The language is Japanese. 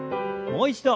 もう一度。